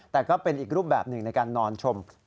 แต่ก็เป็นอีกรูปแบบหนึ่งในการนอนชม